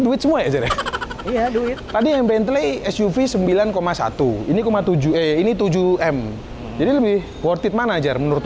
duit semua ya jadi tadi yang pentel suv sembilan satu ini ke tujuh ini tujuh m jadi lebih worth it manajer menurut